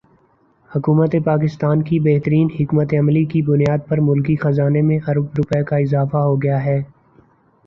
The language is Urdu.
حکومت پاکستان کی بہترین حکمت عملی کی بنیاد پر ملکی خزانے میں ارب روپے کا اضافہ ہوگیا ہے